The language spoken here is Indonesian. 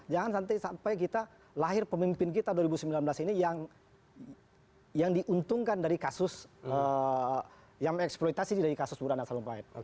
jangan sampai kita lahir pemimpin kita dua ribu sembilan belas ini yang diuntungkan dari kasus yang mengeksploitasi dari kasus bu rana sarumpahit